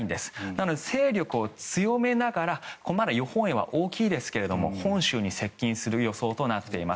なので、勢力を強めながらまだ予報円は大きいですが本州に接近する予想となっています。